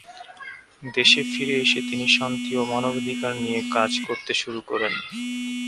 দেশে ফিরে এসে তিনি শান্তি ও মানবাধিকার নিয়ে কাজ করতে শুরু করেন।